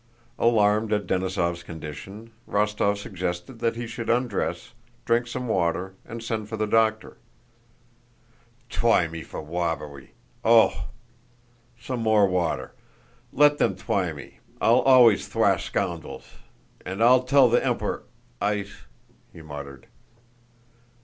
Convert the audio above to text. Alarmed at Denísov's condition, Rostóv suggested that he should undress, drink some water, and send for the doctor. "Twy me for wobbewy... oh! Some more water... Let them twy me, but I'll always thwash scoundwels... and I'll tell the Empewo'... Ice..." he muttered.